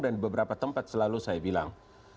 dan di beberapa tempat selalu saya bilang